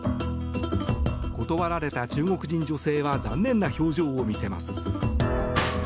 断られた中国人女性は残念な表情を見せます。